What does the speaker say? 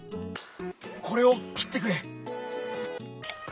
「『これ』をきってくれ」。